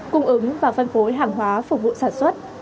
cung ứng và phân phối hàng hóa phục vụ sản xuất